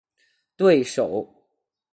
对手